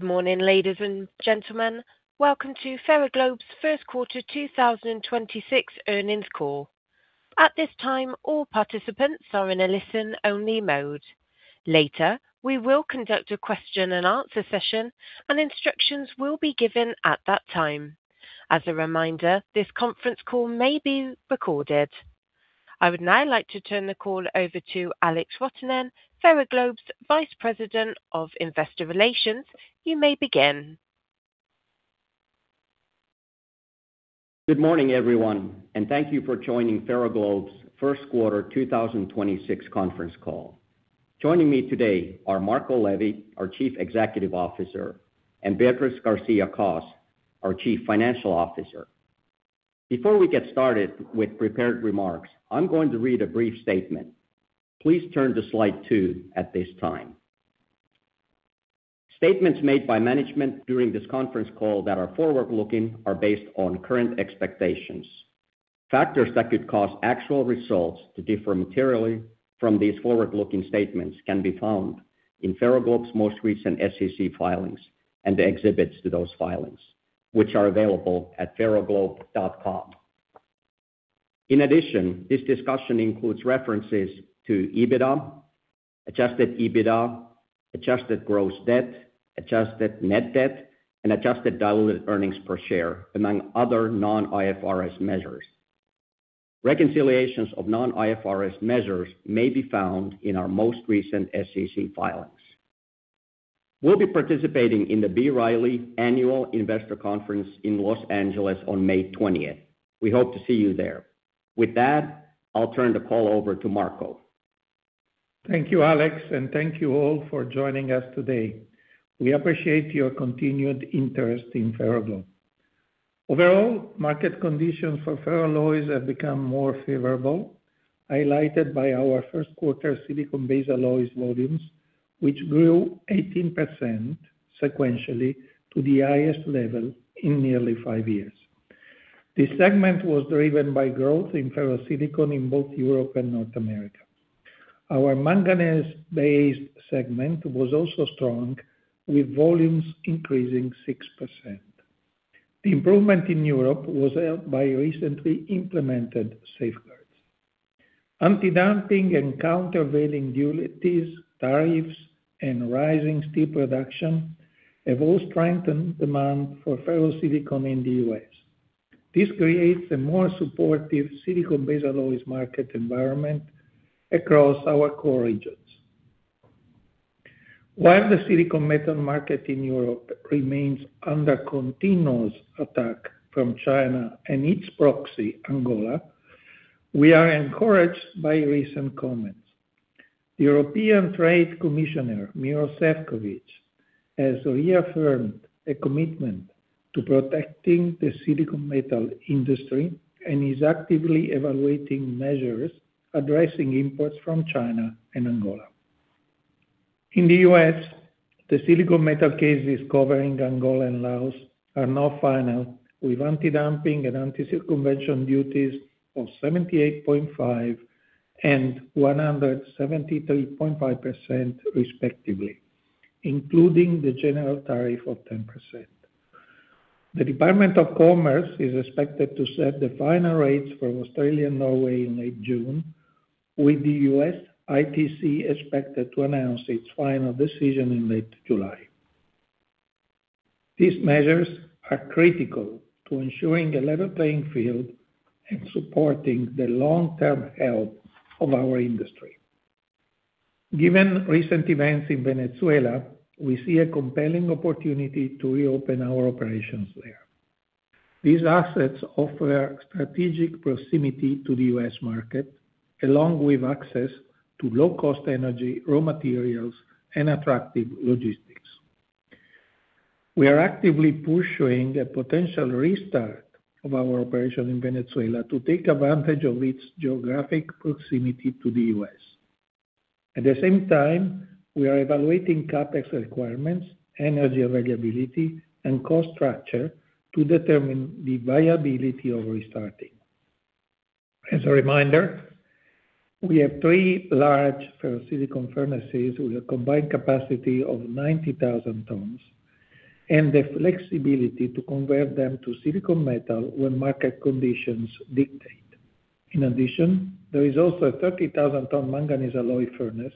Good morning, ladies and gentlemen. Welcome to Ferroglobe's first quarter 2026 earnings call. At this time, all participants are in a listen-only mode. Later, we will conduct a question and answer session, and instructions will be given at that time. As a reminder, this conference call may be recorded. I would now like to turn the call over to Alex Rotonen, Ferroglobe's Vice President of Investor Relations. You may begin. Good morning, everyone, and thank you for joining Ferroglobe's first quarter 2026 conference call. Joining me today are Marco Levi, our Chief Executive Officer, and Beatriz García-Cos, our Chief Financial Officer. Before we get started with prepared remarks, I'm going to read a brief statement. Please turn to slide two at this time. Statements made by management during this conference call that are forward-looking are based on current expectations. Factors that could cause actual results to differ materially from these forward-looking statements can be found in Ferroglobe's most recent SEC filings and the exhibits to those filings, which are available at ferroglobe.com. In addition, this discussion includes references to EBITDA, adjusted EBITDA, adjusted gross debt, adjusted net debt, and adjusted diluted earnings per share, among other non-IFRS measures. Reconciliations of non-IFRS measures may be found in our most recent SEC filings. We'll be participating in the B. Riley Annual Investor Conference in Los Angeles on May 20th. We hope to see you there. With that, I'll turn the call over to Marco. Thank you, Alex, and thank you all for joining us today. We appreciate your continued interest in Ferroglobe. Overall, market conditions for ferroalloys have become more favorable, highlighted by our first quarter silicon-based alloys volumes, which grew 18 sequentially to the highest level in nearly five years. This segment was driven by growth in ferrosilicon in both Europe and North America. Our manganese-based segment was also strong, with volumes increasing 6%. The improvement in Europe was helped by recently implemented safeguards. Anti-dumping and countervailing duties, tariffs, and rising steel production have all strengthened demand for ferrosilicon in the U.S. This creates a more supportive silicon-based alloys market environment across our core regions. While the silicon metal market in Europe remains under continuous attack from China and its proxy, Angola, we are encouraged by recent comments. European Trade Commissioner Maroš Šefčovič has reaffirmed a commitment to protecting the silicon metal industry and is actively evaluating measures addressing imports from China and Angola. In the U.S., the silicon metal cases covering Angola and Laos are now final, with anti-dumping and anti-circumvention duties of 78.5% and 173.5% respectively, including the general tariff of 10%. The Department of Commerce is expected to set the final rates for Australia and Norway in late June, with the U.S. ITC expected to announce its final decision in late July. These measures are critical to ensuring a level playing field and supporting the long-term health of our industry. Given recent events in Venezuela, we see a compelling opportunity to reopen our operations there. These assets offer strategic proximity to the U.S. market, along with access to low-cost energy, raw materials, and attractive logistics. We are actively pursuing a potential restart of our operation in Venezuela to take advantage of its geographic proximity to the U.S. At the same time, we are evaluating CapEx requirements, energy availability, and cost structure to determine the viability of restarting. As a reminder, we have three large ferrosilicon furnaces with a combined capacity of 90,000 tons and the flexibility to convert them to silicon metal when market conditions dictate. There is also a 30,000 ton manganese alloy furnace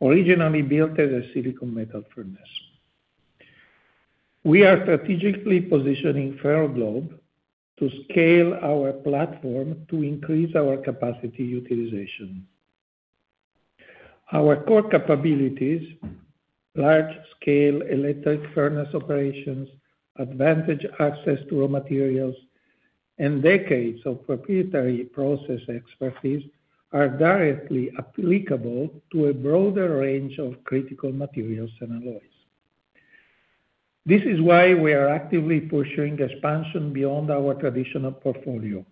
originally built as a silicon metal furnace. We are strategically positioning Ferroglobe to scale our platform to increase our capacity utilization. Our core capabilities, large-scale electric furnace operations, advantage access to raw materials, and decades of proprietary process expertise are directly applicable to a broader range of critical materials and alloys. This is why we are actively pursuing expansion beyond our traditional portfolio.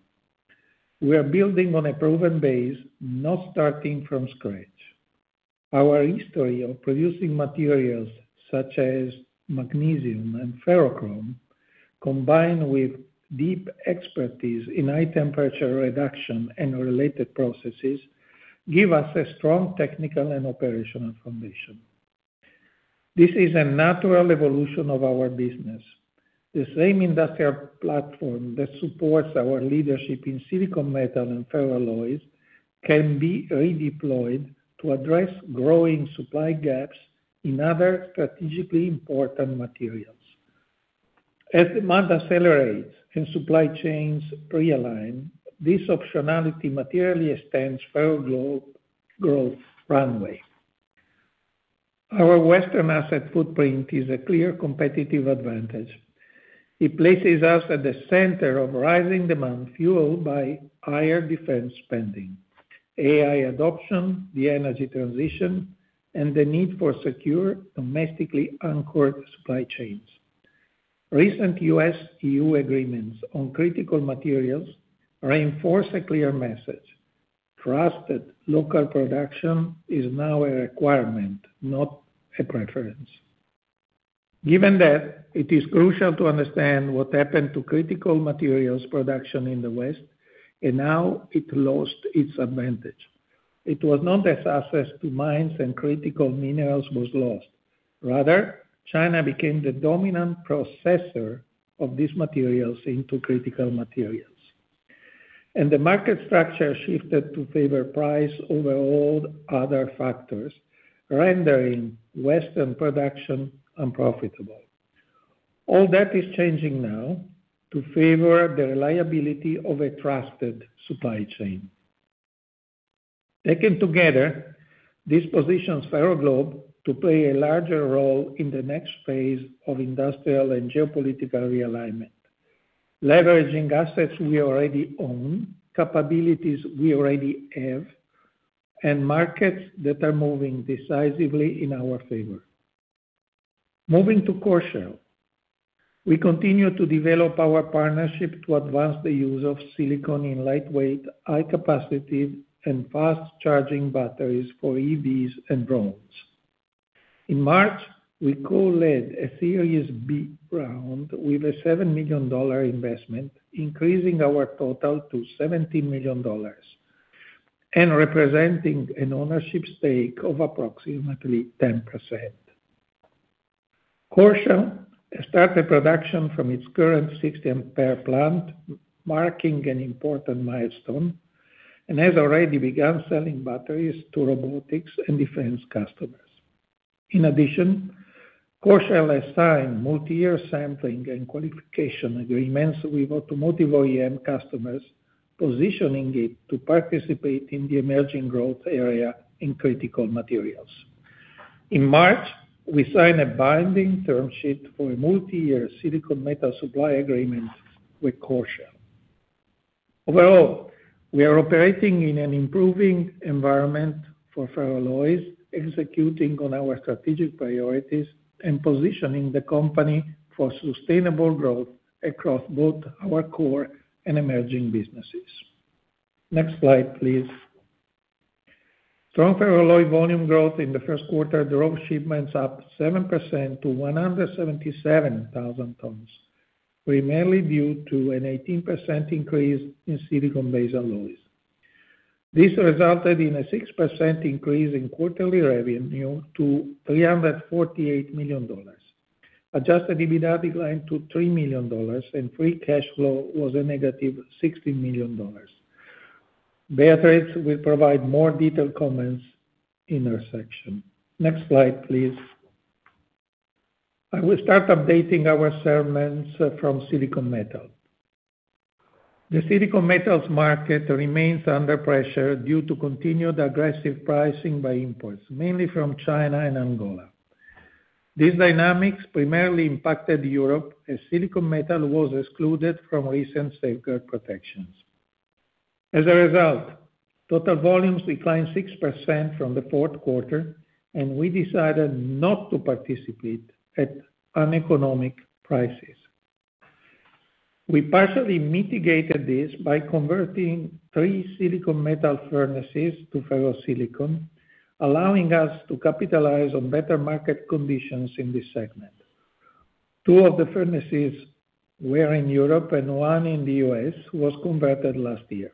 We are building on a proven base, not starting from scratch. Our history of producing materials such as magnesium and ferrochrome combined with deep expertise in high-temperature reduction and related processes give us a strong technical and operational foundation. This is a natural evolution of our business. The same industrial platform that supports our leadership in silicon metal and ferroalloys can be redeployed to address growing supply gaps in other strategically important materials. As demand accelerates and supply chains realign, this optionality materially extends Ferroglobe growth runway. Our Western asset footprint is a clear competitive advantage. It places us at the center of rising demand fueled by higher defense spending, AI adoption, the energy transition, and the need for secure domestically anchored supply chains. Recent U.S.-EU agreements on critical materials reinforce a clear message: trusted local production is now a requirement, not a preference. Given that, it is crucial to understand what happened to critical materials production in the West, and how it lost its advantage. It was not as access to mines and critical minerals was lost. Rather, China became the dominant processor of these materials into critical materials. The market structure shifted to favor price over all other factors, rendering Western production unprofitable. All that is changing now to favor the reliability of a trusted supply chain. Taken together, this positions Ferroglobe to play a larger role in the next phase of industrial and geopolitical realignment, leveraging assets we already own, capabilities we already have, and markets that are moving decisively in our favor. Moving to Coreshell. We continue to develop our partnership to advance the use of silicon in lightweight, high capacity, and fast charging batteries for EVs and drones. In March, we co-led a Series B round with a $7 million investment, increasing our total to $70 million and representing an ownership stake of approximately 10%. Coreshell started production from its current 60 ampere plant, marking an important milestone, and has already begun selling batteries to robotics and defense customers. In addition, Coreshell has signed multi-year sampling and qualification agreements with automotive OEM customers, positioning it to participate in the emerging growth area in critical materials. In March, we signed a binding term sheet for a multi-year silicon metal supply agreement with Coreshell. Overall, we are operating in an improving environment for ferroalloys, executing on our strategic priorities and positioning the company for sustainable growth across both our core and emerging businesses. Next slide, please. Strong ferroalloy volume growth in the first quarter drove shipments up 7% to 177,000 tons, primarily due to an 18% increase in silicon-based alloys. This resulted in a 6% increase in quarterly revenue to $348 million. Adjusted EBITDA declined to $3 million, and free cash flow was a negative $60 million. Beatriz will provide more detailed comments in her section. Next slide, please. I will start updating our segments from silicon metal. The silicon metals market remains under pressure due to continued aggressive pricing by imports, mainly from China and Angola. These dynamics primarily impacted Europe, as silicon metal was excluded from recent safeguard protections. As a result, total volumes declined 6% from the fourth quarter, and we decided not to participate at uneconomic prices. We partially mitigated this by converting three silicon metal furnaces to ferrosilicon, allowing us to capitalize on better market conditions in this segment. Two of the furnaces were in Europe and one in the U.S. was converted last year.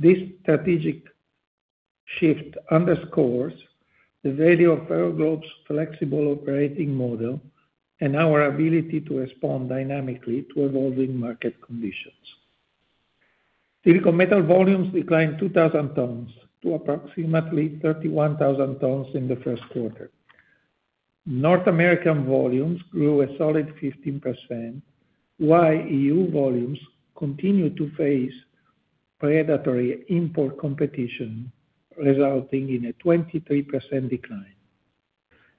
This strategic shift underscores the value of Ferroglobe's flexible operating model and our ability to respond dynamically to evolving market conditions. Silicon metal volumes declined 2,000 tons to approximately 31,000 tons in the first quarter. North American volumes grew a solid 15%, while EU volumes continue to face predatory import competition, resulting in a 23% decline.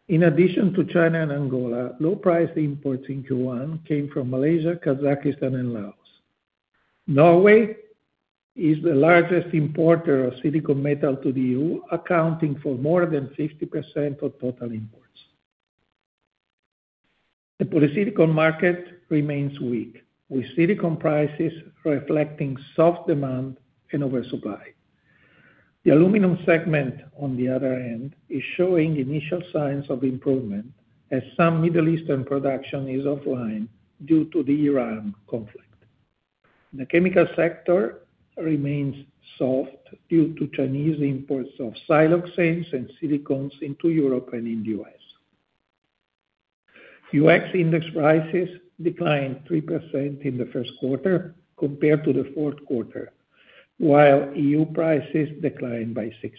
In addition to China and Angola, low price imports in Q1 came from Malaysia, Kazakhstan and Laos. Norway is the largest importer of silicon metal to the EU, accounting for more than 60% of total imports. The polysilicon market remains weak, with silicon prices reflecting soft demand and oversupply. The aluminum segment, on the other hand, is showing initial signs of improvement as some Middle Eastern production is offline due to the Iran conflict. The chemical sector remains soft due to Chinese imports of siloxanes and silicones into Europe and in the U.S. U.S. index prices declined 3% in the first quarter compared to the fourth quarter, while EU prices declined by 6%.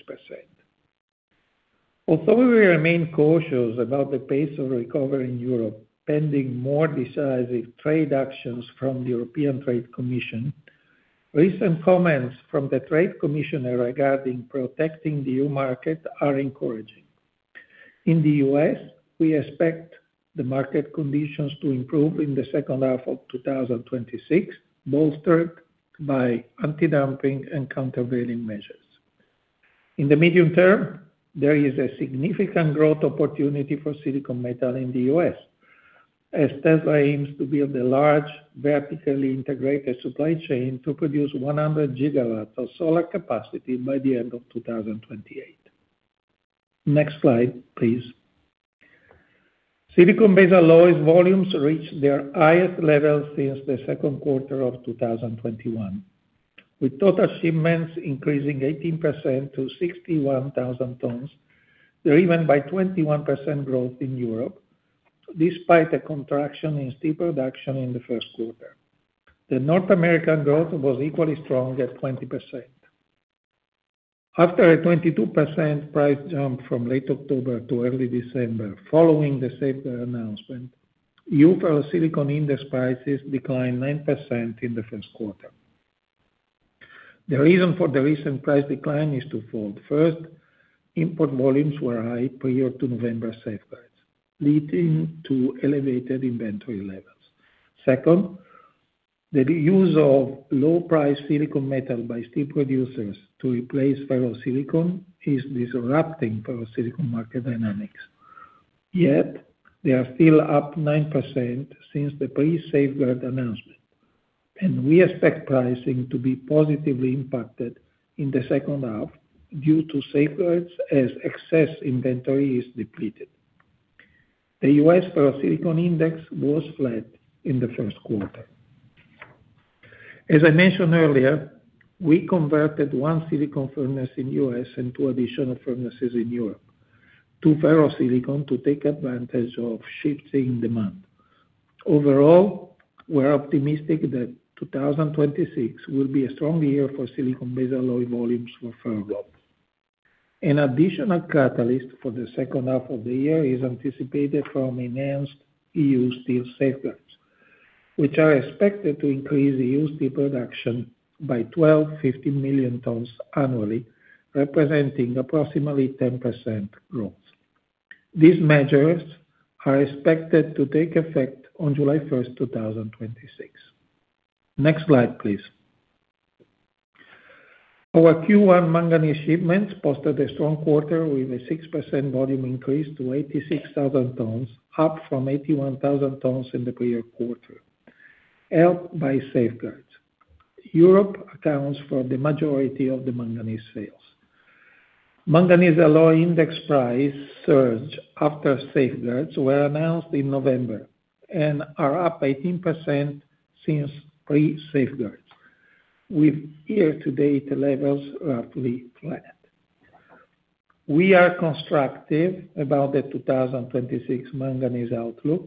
Although we remain cautious about the pace of recovery in Europe pending more decisive trade actions from the European Commission, recent comments from the Trade Commissioner regarding protecting the EU market are encouraging. In the U.S., we expect the market conditions to improve in the second half of 2026, bolstered by antidumping and countervailing measures. In the medium term, there is a significant growth opportunity for silicon metal in the U.S. as Tesla aims to build a large, vertically integrated supply chain to produce 100 GW of solar capacity by the end of 2028. Next slide, please. Silicon-based alloys volumes reached their highest levels since the second quarter of 2021, with total shipments increasing 18% to 61,000 tons, driven by 21% growth in Europe, despite a contraction in steel production in the first quarter. The North American growth was equally strong at 20%. After a 22% price jump from late October to early December, following the safeguard announcement, EU ferrosilicon index prices declined 9% in the first quarter. The reason for the recent price decline is two-fold. First, import volumes were high prior to November safeguards, leading to elevated inventory levels. Second, the use of low price silicon metal by steel producers to replace ferrosilicon is disrupting ferrosilicon market dynamics. They are still up 9% since the pre-safeguard announcement, and we expect pricing to be positively impacted in the second half due to safeguards as excess inventory is depleted. The U.S. ferrosilicon index was flat in the first quarter. As I mentioned earlier, we converted one silicon furnace in U.S. and two additional furnaces in Europe to ferrosilicon to take advantage of shifting demand. Overall, we're optimistic that 2026 will be a strong year for silicon-based alloy volumes for ferrosilicon. An additional catalyst for the second half of the year is anticipated from enhanced EU steel safeguards, which are expected to increase EU steel production by 12.5 million tons annually, representing approximately 10% growth. These measures are expected to take effect on July 1st, 2026. Next slide, please. Our Q1 manganese shipments posted a strong quarter with a 6% volume increase to 86,000 tons, up from 81,000 tons in the prior quarter, helped by safeguards. Europe accounts for the majority of the manganese sales. Manganese alloy index price surged after safeguards were announced in November and are up 18% since pre-safeguards, with year-to-date levels roughly flat. We are constructive about the 2026 manganese outlook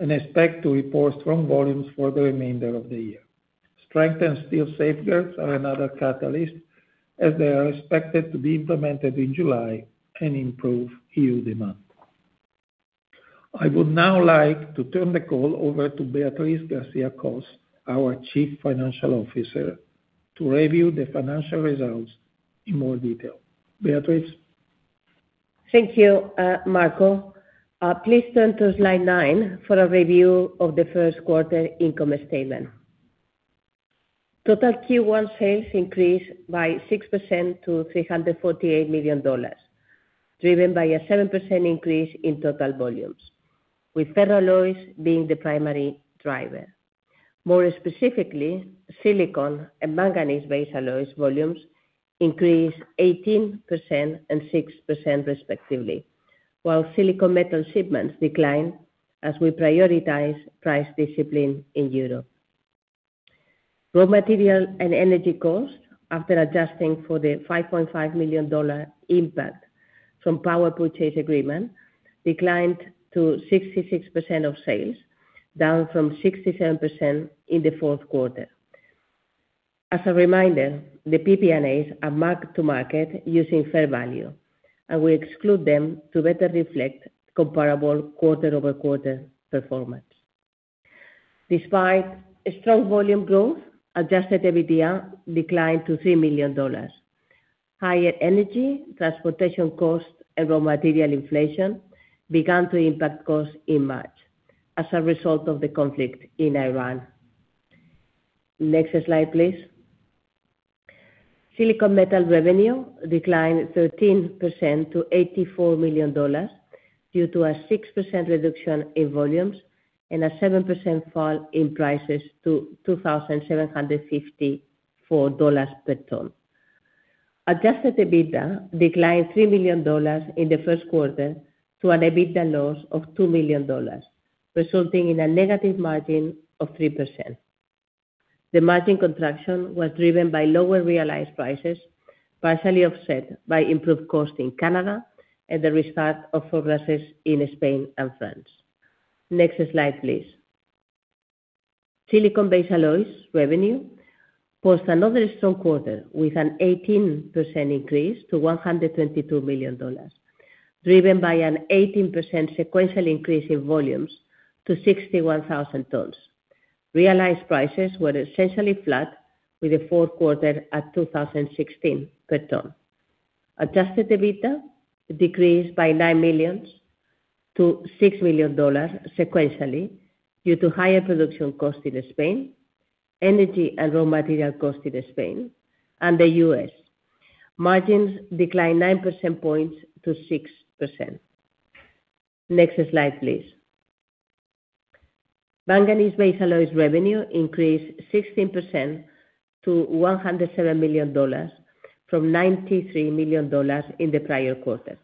and expect to report strong volumes for the remainder of the year. Strengthen steel safeguards are another catalyst, as they are expected to be implemented in July and improve EU demand. I would now like to turn the call over to Beatriz García-Cos, our Chief Financial Officer, to review the financial results in more detail. Beatriz? Thank you, Marco. Please turn to slide nine for a review of the first quarter income statement. Total Q1 sales increased by 6% to $348 million, driven by a 7% increase in total volumes, with ferroalloys being the primary driver. More specifically, silicon and manganese-based alloys volumes increased 18% and 6% respectively, while silicon metal shipments declined as we prioritize price discipline in Europe. Raw material and energy costs, after adjusting for the $5.5 million impact from power purchase agreement, declined to 66% of sales, down from 67% in the fourth quarter. As a reminder, the PPAs are marked to market using fair value, and we exclude them to better reflect comparable quarter-over-quarter performance. Despite a strong volume growth, adjusted EBITDA declined to $3 million. Higher energy, transportation costs, and raw material inflation began to impact costs in March as a result of the conflict in Iran. Next slide, please. Silicon metal revenue declined 13% to $84 million. Due to a 6% reduction in volumes and a 7% fall in prices to $2,754 per ton. Adjusted EBITDA declined $3 million in the first quarter to an EBITDA loss of $2 million, resulting in a negative margin of 3%. The margin contraction was driven by lower realized prices, partially offset by improved cost in Canada and the restart of furnaces in Spain and France. Next slide, please. Silicon-based alloys revenue post another strong quarter with an 18% increase to $122 million, driven by an 18% sequential increase in volumes to 61,000 tons. Realized prices were essentially flat with the fourth quarter at $2,016 per ton. Adjusted EBITDA decreased by $9 million to $6 million sequentially due to higher production cost in Spain, energy and raw material cost in Spain and the U.S. Margins declined 9 percentage points to 6%. Next slide, please. Manganese-based alloys revenue increased 16% to $107 million from $93 million in the prior quarter.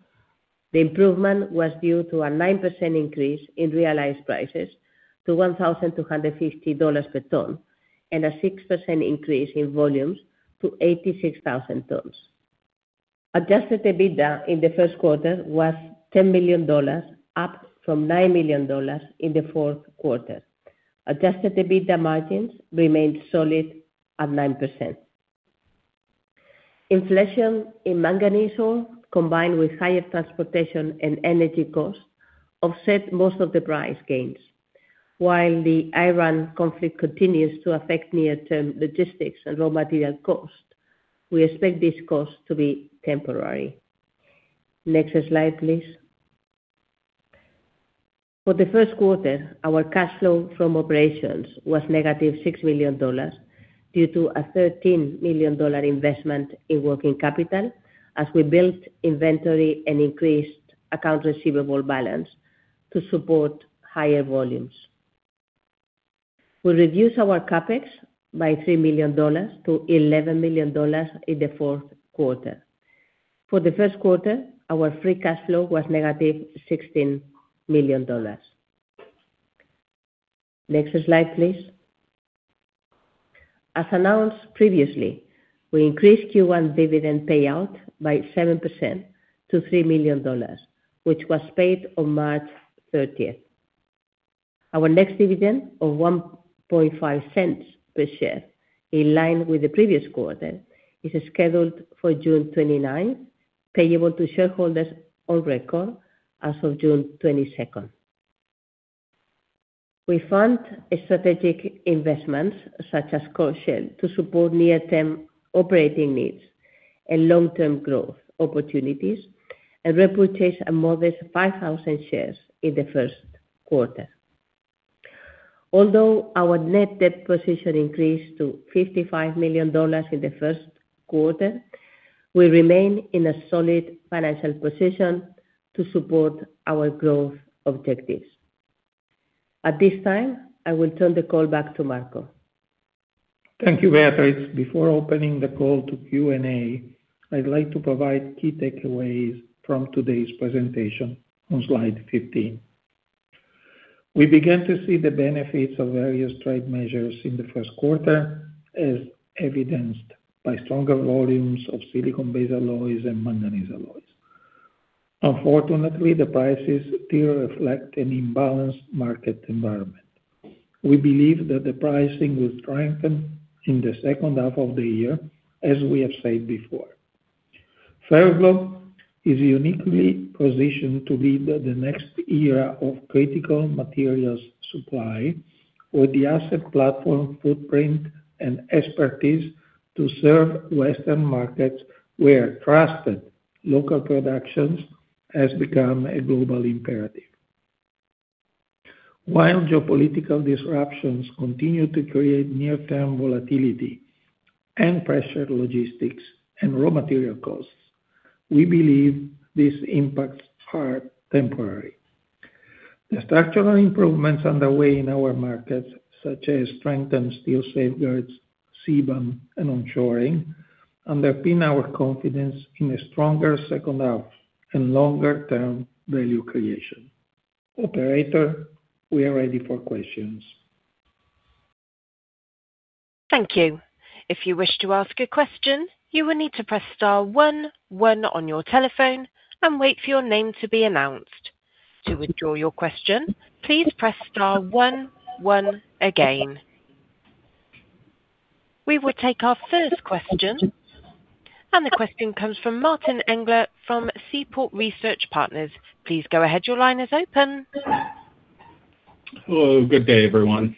The improvement was due to a 9% increase in realized prices to $1,250 per ton and a 6% increase in volumes to 86,000 tons. Adjusted EBITDA in the first quarter was $10 million, up from $9 million in the fourth quarter. Adjusted EBITDA margins remained solid at 9%. Inflation in manganese ore, combined with higher transportation and energy costs, offset most of the price gains. While the Iran conflict continues to affect near-term logistics and raw material cost, we expect this cost to be temporary. Next slide, please. For the first quarter, our cash flow from operations was negative $6 million due to a $13 million investment in working capital as we built inventory and increased accounts receivable balance to support higher volumes. We reduced our CapEx by $3 million-$11 million in the fourth quarter. For the first quarter, our free cash flow was negative $16 million. Next slide, please. As announced previously, we increased Q1 dividend payout by 7% to $3 million, which was paid on March 30th. Our next dividend of $0.015 per share, in line with the previous quarter, is scheduled for June 29th, payable to shareholders on record as of June 22nd. We fund strategic investments such as Coreshell to support near-term operating needs and long-term growth opportunities and repurchase a modest 5,000 shares in the first quarter. Although our net debt position increased to $55 million in the first quarter, we remain in a solid financial position to support our growth objectives. At this time, I will turn the call back to Marco. Thank you, Beatriz. Before opening the call to Q&A, I'd like to provide key takeaways from today's presentation on slide 15. We began to see the benefits of various trade measures in the first quarter, as evidenced by stronger volumes of silicon-based alloys and manganese alloys. Unfortunately, the prices still reflect an imbalanced market environment. We believe that the pricing will strengthen in the second half of the year, as we have said before. Ferroglobe is uniquely positioned to lead the next era of critical materials supply with the asset platform footprint and expertise to serve Western markets where trusted local production has become a global imperative. While geopolitical disruptions continue to create near-term volatility and pressure logistics and raw material costs, we believe these impacts are temporary. The structural improvements underway in our markets, such as strengthened steel safeguards, CBAM, and onshoring, underpin our confidence in a stronger second half and longer-term value creation. Operator, we are ready for questions. Thank you. If you wish to ask a question, you will need to press star, one, one on your telephone and wait for your name to be announced. To withdraw your question, please press star, one, one again. We will take our first question. The question comes from Martin Englert from Seaport Research Partners. Please go ahead. Your line is open. Hello. Good day, everyone.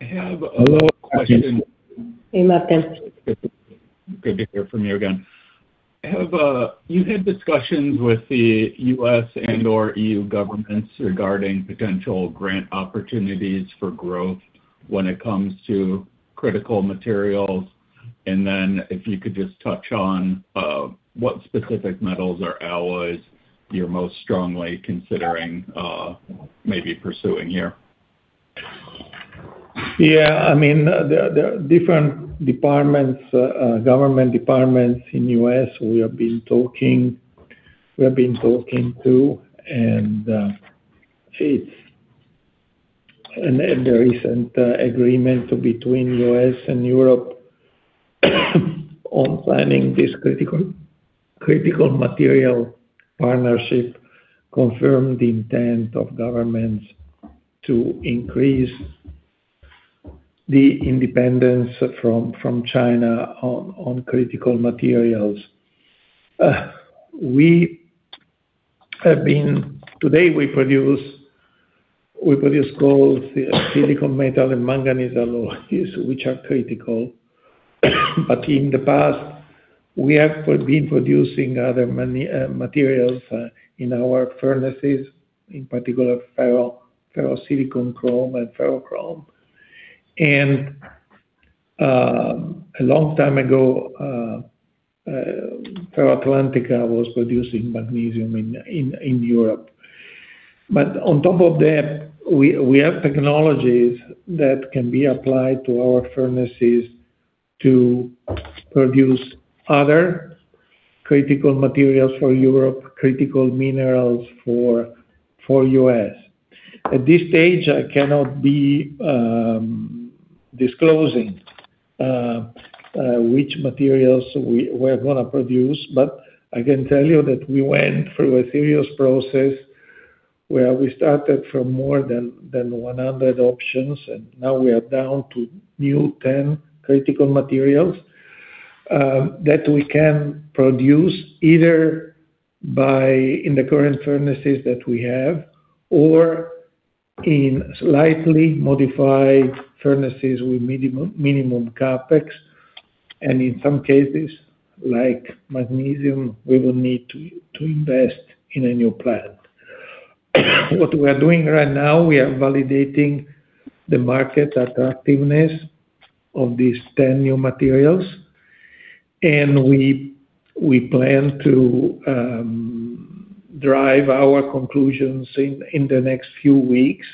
I have a little question. Hey, Martin. Good to hear from you again. You had discussions with the U.S. and/or EU governments regarding potential grant opportunities for growth when it comes to critical materials. If you could just touch on what specific metals or alloys you're most strongly considering, maybe pursuing here. Yeah, I mean, the different departments, government departments in U.S., we have been talking to. The recent agreement between U.S. and Europe on planning this critical material partnership confirmed the intent of governments to increase the independence from China on critical materials. Today we produce gold, silicon metal, and manganese-based alloys, which are critical. In the past, we have been producing other materials in our furnaces, in particular ferrosilicon chrome and ferrochrome. A long time ago, FerroAtlántica was producing magnesium in Europe. On top of that, we have technologies that can be applied to our furnaces to produce other critical materials for Europe, critical minerals for U.S. At this stage, I cannot be disclosing which materials we're gonna produce. I can tell you that we went through a serious process where we started from more than 100 options, and now we are down to new 10 critical materials that we can produce either by in the current furnaces that we have or in slightly modified furnaces with minimum CapEx. In some cases, like magnesium, we will need to invest in a new plant. What we are doing right now, we are validating the market attractiveness of these 10 new materials. We plan to drive our conclusions in the next few weeks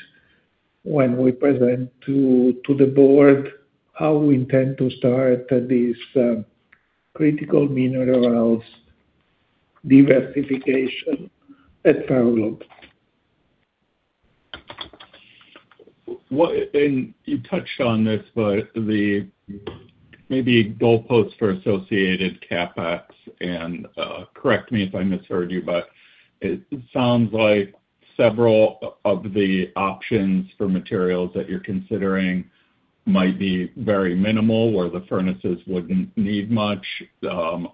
when we present to the board how we intend to start these critical minerals diversification at FerroAtlántica. You touched on this, but the maybe goalposts for associated CapEx, correct me if I misheard you, but it sounds like several of the options for materials that you're considering might be very minimal, where the furnaces wouldn't need much.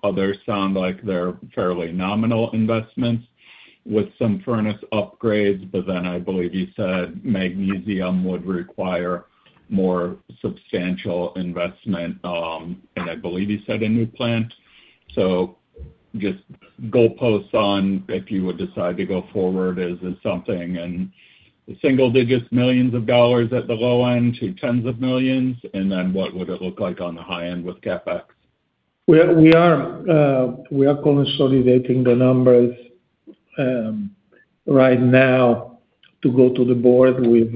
Others sound like they're fairly nominal investments with some furnace upgrades. I believe you said magnesium would require more substantial investment, and I believe you said a new plant. Just goalposts on if you would decide to go forward as something and single digits, millions of dollars at the low end to tens of millions. What would it look like on the high end with CapEx? We are consolidating the numbers right now to go to the Board with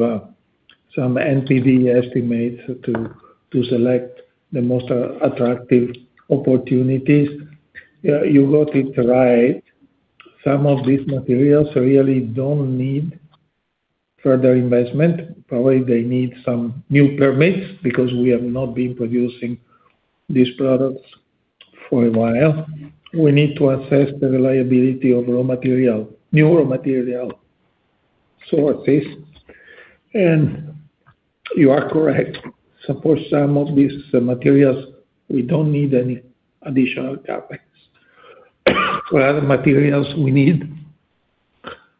some NPV estimates to select the most attractive opportunities. You got it right. Some of these materials really don't need further investment. Probably they need some new permits because we have not been producing these products for a while. We need to assess the reliability of raw material, new raw material sources. You are correct. For some of these materials, we don't need any additional CapEx. For other materials, we need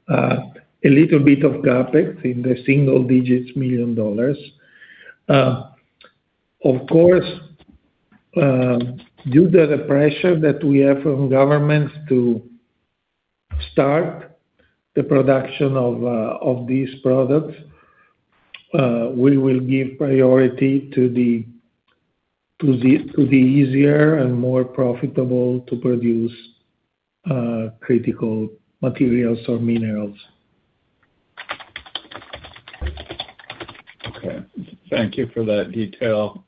a little bit of CapEx in the single digits million dollars. Of course, due to the pressure that we have from governments to start the production of these products, we will give priority to the easier and more profitable to produce critical materials or minerals. Okay. Thank you for that detail.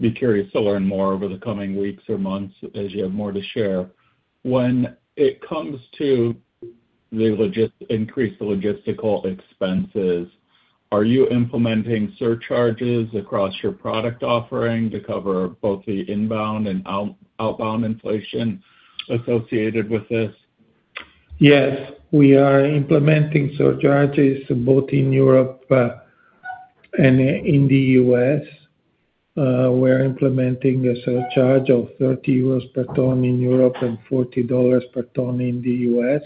Be curious to learn more over the coming weeks or months as you have more to share. When it comes to the increased logistical expenses, are you implementing surcharges across your product offering to cover both the inbound and outbound inflation associated with this? Yes, we are implementing surcharges both in Europe and in the U.S. We're implementing a surcharge of 30 euros per ton in Europe and $40 per ton in the U.S.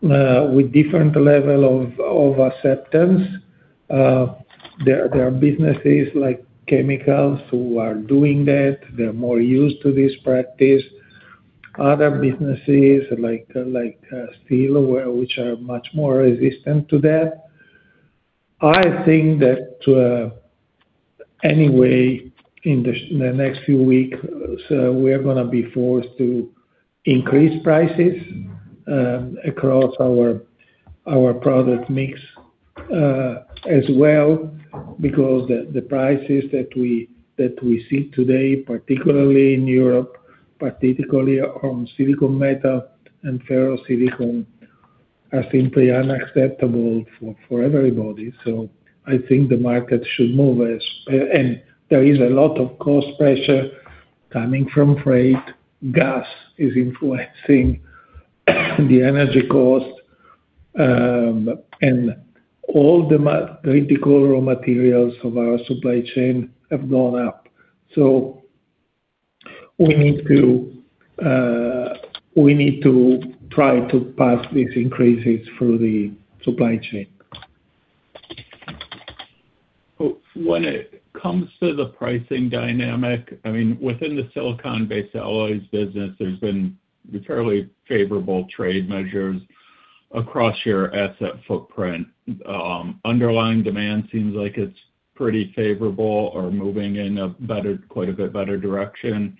with different level of acceptance. There are businesses like chemicals who are doing that. They're more used to this practice. Other businesses like steel, which are much more resistant to that. I think that to anyway, in the next few weeks, we are gonna be forced to increase prices across our product mix as well, because the prices that we see today, particularly in Europe, particularly on silicon metal and ferrosilicon, are simply unacceptable for everybody. I think the market should move and there is a lot of cost pressure coming from freight. Gas is influencing the energy cost. All the critical raw materials of our supply chain have gone up. We need to try to pass these increases through the supply chain. When it comes to the pricing dynamic, I mean, within the silicon-based alloys business, there's been fairly favorable trade measures across your asset footprint. Underlying demand seems like it's pretty favorable or moving in a quite a bit better direction.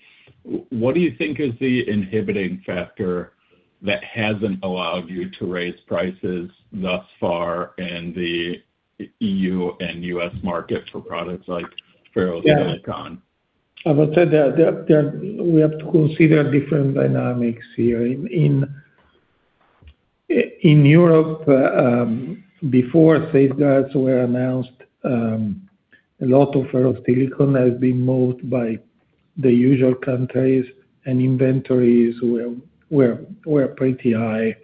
What do you think is the inhibiting factor that hasn't allowed you to raise prices thus far in the EU and U.S. market for products like ferrosilicon? Yeah. I would say that we have to consider different dynamics here. In Europe, before safeguards were announced, a lot of ferrosilicon has been moved by the usual countries, and inventories were pretty high.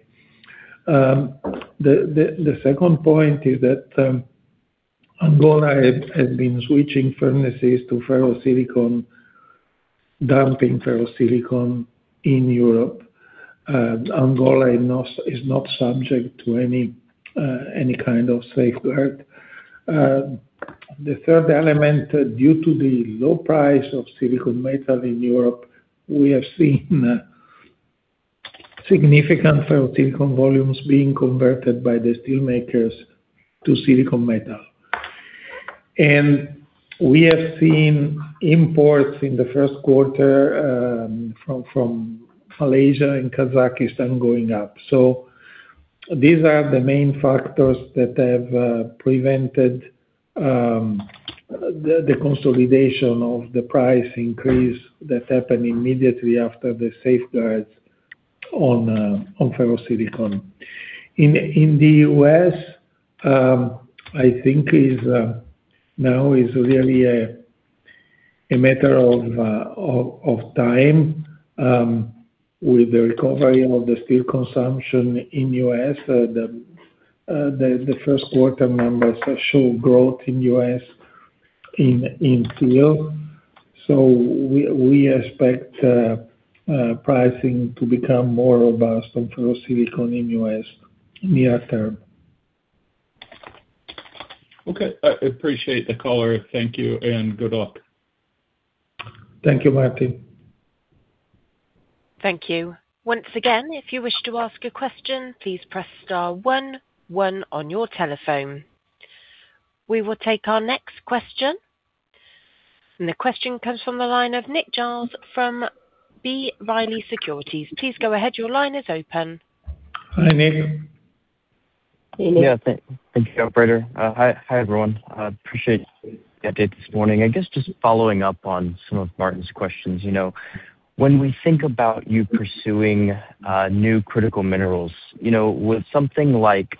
The second point is that Angola had been switching furnaces to ferrosilicon, dumping ferrosilicon in Europe. Angola is not subject to any kind of safeguard. The third element, due to the low price of silicon metal in Europe, we have seen significant ferrosilicon volumes being converted by the steel makers to silicon metal. We have seen imports in the first quarter from Malaysia and Kazakhstan going up. These are the main factors that have prevented the consolidation of the price increase that happened immediately after the safeguards on ferrosilicon. In the U.S., I think is now is really a matter of time with the recovery of the steel consumption in the U.S. The first quarter numbers have showed growth in the U.S. in steel. We expect pricing to become more robust on ferrosilicon in the U.S. near term. Okay. I appreciate the color. Thank you and good luck. Thank you, Martin. Thank you. Once again, if you wish to ask a question, please press star one on your telephone. We will take our next question. The question comes from the line of Nick Giles from B. Riley Securities. Please go ahead. Your line is open. Hi, Nick. Hey, Nick. Yeah. Thank you, operator. Hi, everyone. Appreciate you updated this morning. I guess just following up on some of Martin's questions. You know, when we think about you pursuing new critical minerals, you know, with something like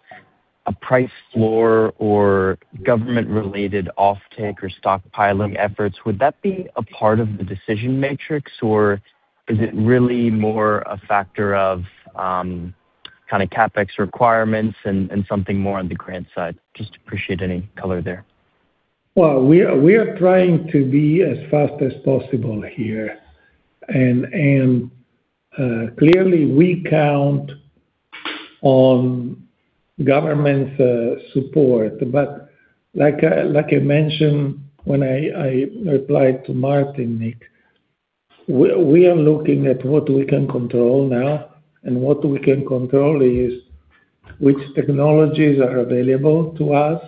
a price floor or government-related offtake or stockpiling efforts, would that be a part of the decision matrix, or is it really more a factor of kind of CapEx requirements and something more on the grant side? Just appreciate any color there. Well, we are trying to be as fast as possible here. Clearly, we count on government support. Like I mentioned when I replied to Martin, Nick, we are looking at what we can control now and what we can control is which technologies are available to us,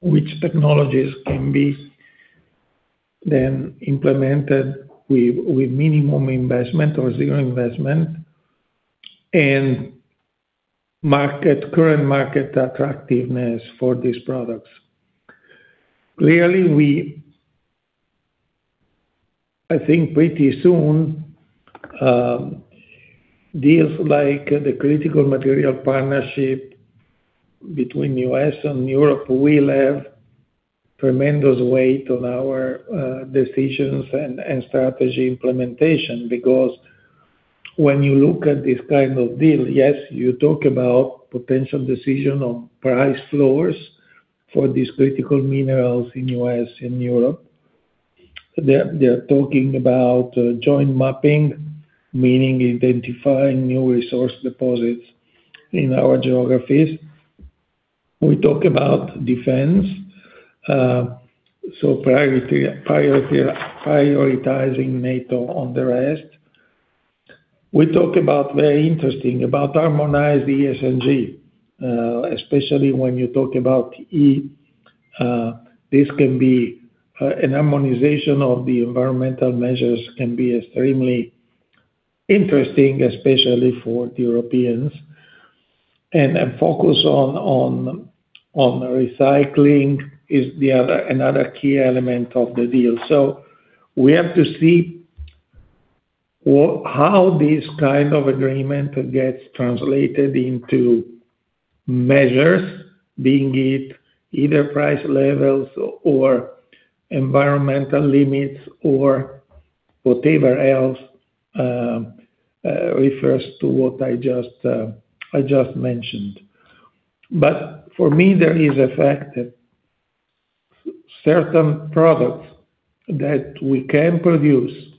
which technologies can be then implemented with minimum investment or zero investment, and current market attractiveness for these products. Clearly, I think pretty soon, deals like the critical material partnership between U.S. and Europe will have tremendous weight on our decisions and strategy implementation. When you look at this kind of deal, yes, you talk about potential decision on price floors for these critical minerals in U.S. and Europe. They're talking about joint mapping, meaning identifying new resource deposits in our geographies. We talk about defense. prioritizing NATO on the rest. We talk about very interesting, about harmonized ESG, especially when you talk about E, this can be an harmonization of the environmental measures can be extremely interesting, especially for Europeans. A focus on recycling is another key element of the deal. We have to see how this kind of agreement gets translated into measures, being it either price levels or environmental limits or whatever else refers to what I just mentioned. For me, there is a fact that certain products that we can produce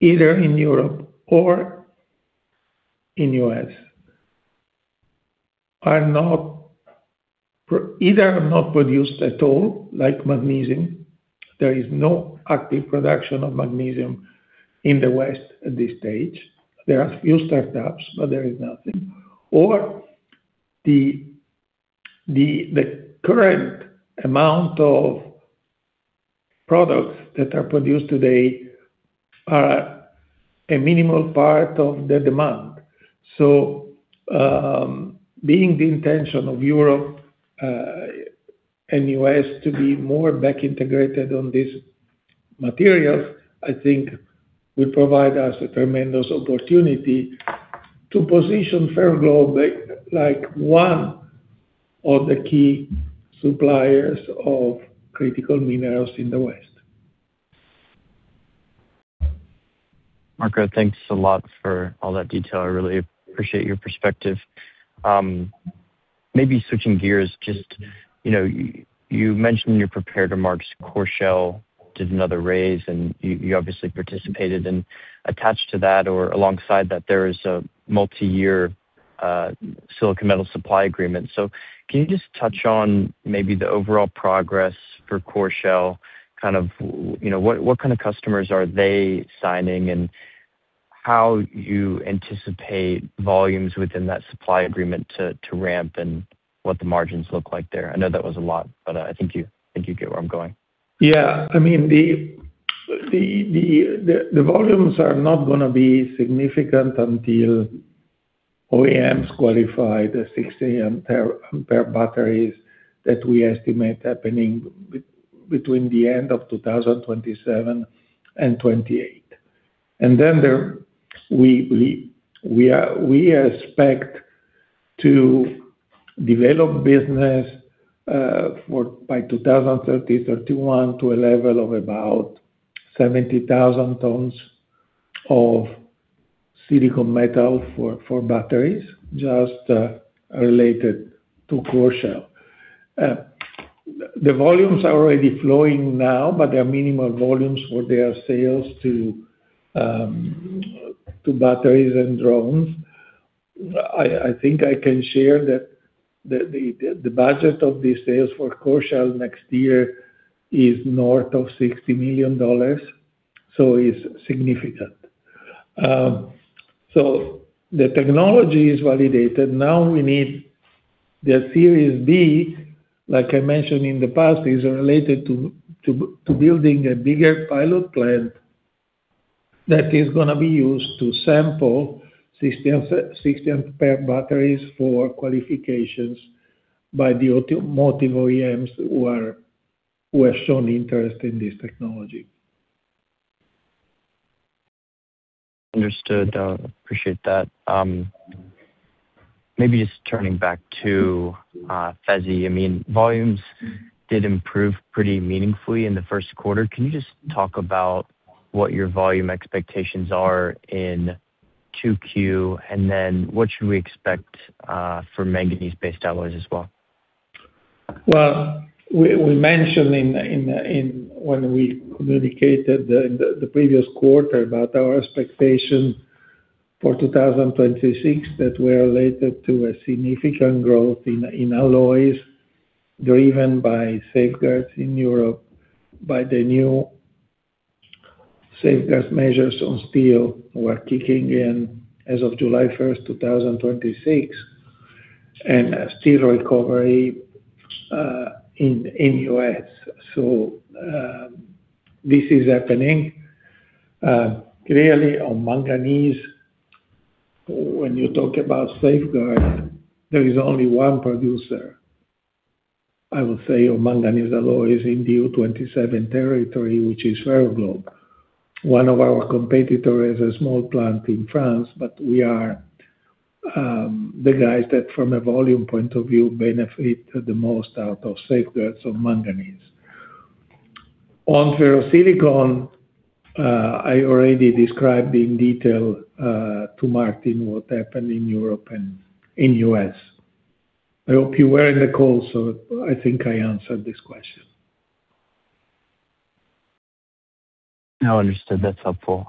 either in Europe or in the U.S. are not produced at all, like magnesium. There is no active production of magnesium in the West at this stage. There are a few startups, but there is nothing. The current amount of products that are produced today are a minimal part of the demand. Being the intention of Europe and U.S. to be more back integrated on these materials, I think will provide us a tremendous opportunity to position Ferroglobe like one of the key suppliers of critical minerals in the West. Marco, thanks a lot for all that detail. I really appreciate your perspective. Maybe switching gears, just, you know, you mentioned in your prepared remarks, Coreshell did another raise, and you obviously participated. Attached to that or alongside that, there is a multi-year silicon metal supply agreement. Can you just touch on maybe the overall progress for Coreshell, kind of, you know, what kind of customers are they signing and how you anticipate volumes within that supply agreement to ramp and what the margins look like there? I know that was a lot, but, I think you, I think you get where I'm going. Yeah. I mean, the volumes are not gonna be significant until OEMs qualify the 16 Ah batteries that we estimate happening between the end of 2027 and 2028. There we expect to develop business by 2030, 2031 to a level of about 70,000 tons of silicon metal for batteries, just related to Coreshell. The volumes are already flowing now, they are minimal volumes for their sales to batteries and drones. I think I can share that the budget of these sales for Coreshell next year is north of $60 million, it's significant. The technology is validated. Now we need the Series B, like I mentioned in the past, is related to building a bigger pilot plant that is gonna be used to sample 16 ampere-hour batteries for qualifications by the automotive OEMs who are, who have shown interest in this technology. Understood. Appreciate that. Maybe just turning back to FeSi. I mean, volumes did improve pretty meaningfully in the 1st quarter. Can you just talk about what your volume expectations are in 2Q? What should we expect for manganese-based alloys as well? Well, we mentioned when we communicated the previous quarter about our expectation for 2026 that were related to a significant growth in alloys driven by safeguards in Europe, by the new safeguards measures on steel who are kicking in as of July 1st, 2026, and a steel recovery in U.S. This is happening clearly on manganese. When you talk about safeguard, there is only one producer, I would say, of manganese alloys in the EU27 territory, which is Ferroglobe. One of our competitors is a small plant in France, we are the guys that from a volume point of view benefit the most out of safeguards of manganese. On ferrosilicon, I already described in detail to Martin what happened in Europe and in U.S. I hope you were in the call, so I think I answered this question. No, understood. That's helpful.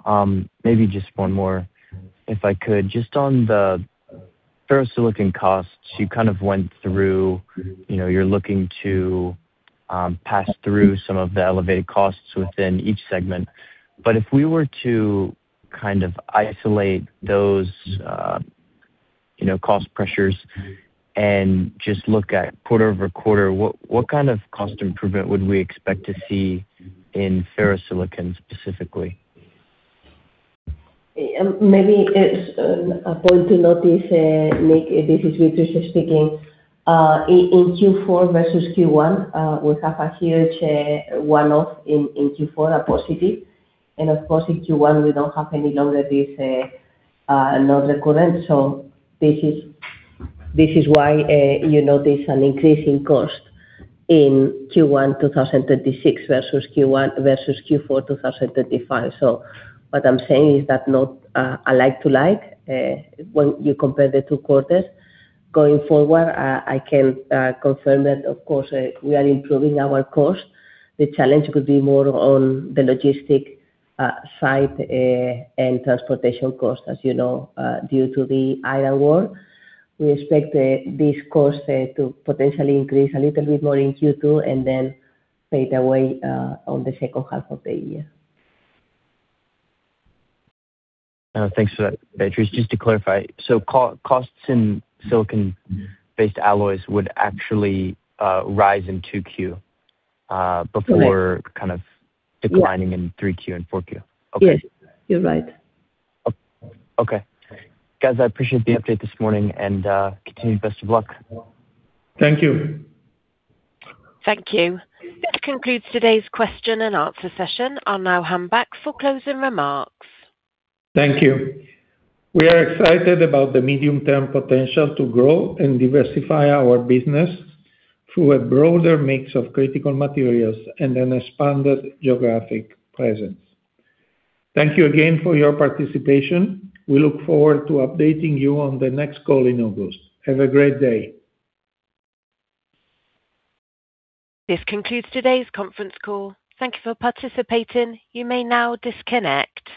Maybe just one more, if I could. Just on the ferrosilicon costs, you kind of went through, you know, you're looking to pass through some of the elevated costs within each segment. If we were to kind of isolate those, you know, cost pressures and just look at quarter-over-quarter, what kind of cost improvement would we expect to see in ferrosilicon specifically? Maybe it's a point to notice, Nick, this is Beatriz speaking. In Q4 versus Q1, we have a huge one-off in Q4, a positive. Of course, in Q1 we don't have any longer this non-recurrent. This is why you notice an increase in cost in Q1 2036 versus Q1 versus Q4 2035. What I'm saying is that not a like to like when you compare the two quarters. Going forward, I can confirm that of course, we are improving our cost. The challenge could be more on the logistic side and transportation costs, as you know, due to the Iran War. We expect this cost to potentially increase a little bit more in Q2 and then fade away on the second half of the year. Thanks for that, Beatriz. Just to clarify, costs in silicon-based alloys would actually rise in 2Q? Yes. Before kind of declining in 3Q and 4Q. Okay. Yes. You're right. Okay. Guys, I appreciate the update this morning and continued best of luck. Thank you. Thank you. That concludes today's question and answer session. I'll now hand back for closing remarks. Thank you. We are excited about the medium-term potential to grow and diversify our business through a broader mix of critical materials and an expanded geographic presence. Thank you again for your participation. We look forward to updating you on the next call in August. Have a great day. This concludes today's conference call. Thank you for participating. You may now disconnect.